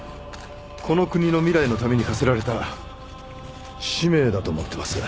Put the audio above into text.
この国の未来のために課せられた使命だと思ってます。